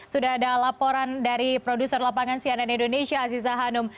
sudah ada laporan dari produser lapangan cnn indonesia aziza hanum